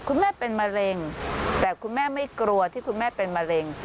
คุณแม่เป็นมะเร็งแต่คุณแม่ไม่กลัวที่คุณแม่เป็นมะเร็ง